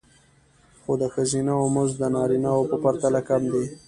خو د ښځینه وو مزد د نارینه وو په پرتله کم دی